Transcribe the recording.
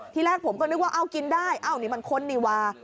ที่แรกผมก็นึกว่ากินได้อ้าวนี่มันข้นดีวะ